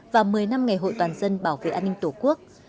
và một mươi năm ngày hội toàn dân bảo vệ an ninh tổ quốc